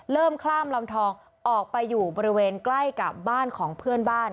ข้ามลำทองออกไปอยู่บริเวณใกล้กับบ้านของเพื่อนบ้าน